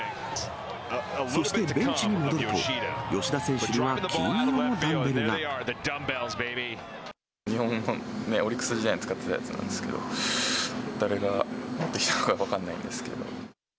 そしてベンチに戻ると、日本のオリックス時代に使ってたやつなんですけど、誰が持ってきたか分かんないんですけど。